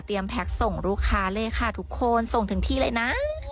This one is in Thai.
แพ็คส่งลูกค้าเลยค่ะทุกคนส่งถึงที่เลยนะ